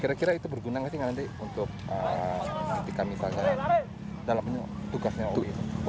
kira kira itu berguna gak sih ngan andi untuk menjelaskan misalkan dalam tugasnya oe itu